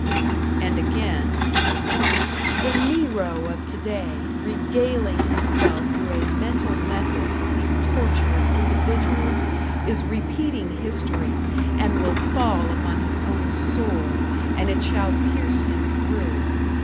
And again: The Nero of today, regaling himself through a mental method with the torture of individuals, is repeating history, and will fall upon his own sword, and it shall pierce him through.